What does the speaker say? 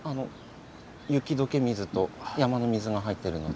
雪解け水と山の水が入ってるので。